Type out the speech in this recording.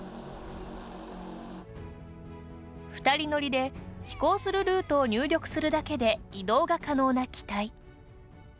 ２人乗りで飛行するルートを入力するだけで移動が可能な機体。